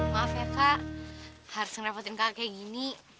maaf ya kak harus ngerepotin kakak kayak gini